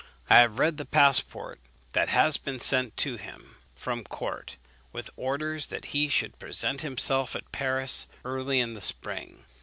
I have read the passport that has been sent to him from court, with orders that he should present himself at Paris early in the spring.